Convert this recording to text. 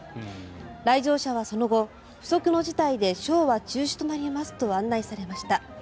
来場者はその後不測の事態でショーは中止となりますと案内されました。